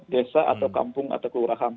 desa atau kampung atau kelurahan